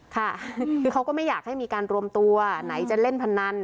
ค่ะคือเขาก็ไม่อยากให้มีการรวมตัวไหนจะเล่นพนัน